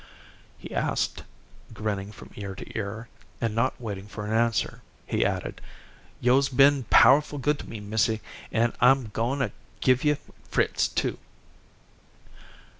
he asked, grinning from ear to ear; and, not waiting for an answer, he added, "Yo'se been powerful good to me, missy, an' I'm goin' to give yo' Fritz, too."